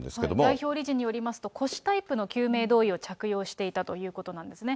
代表理事によりますと、腰タイプの救命胴衣を着用していたということなんですね。